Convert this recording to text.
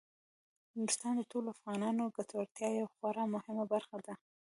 نورستان د ټولو افغانانو د ګټورتیا یوه خورا مهمه برخه ده.